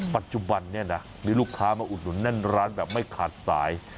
ปัจจุบันนี้นะมีลูกค้ามาอุดหนุนแน่นร้านแบบไม่ขาดสาย